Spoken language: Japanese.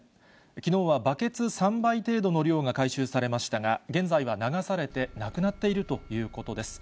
きのうはバケツ３倍程度の量が回収されましたが、現在は流されて、なくなっているということです。